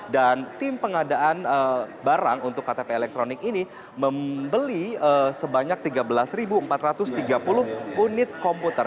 dan tim pengadaan barang untuk ktp elektronik ini membeli sebanyak tiga belas empat ratus tiga puluh unit komputer